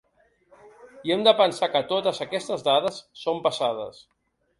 I hem de pensar que totes aquestes dades són passades.